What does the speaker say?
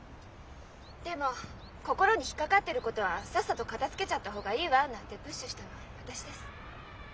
でも「心に引っ掛かってることはさっさと片づけちゃった方がいいわ」なんてプッシュしたの私です。